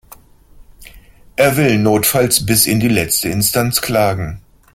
Er will notfalls bis in die letzte Instanz klagen.